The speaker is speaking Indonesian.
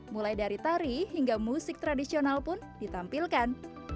mulai dari tari hingga musik tradisional pun ditampilkan